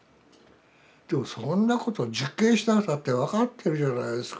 でもそんなこと実験しなくたって分かってるじゃないですか。